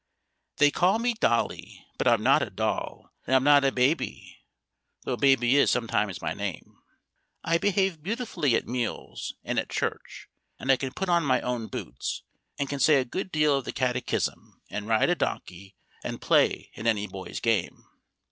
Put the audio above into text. They call me Dolly, but I'm not a doll, and I'm not a baby, though Baby is sometimes my name; I behave beautifully at meals, and at church, and I can put on my own boots, and can say a good deal of the Catechism, and ride a donkey, and play at any boys' game.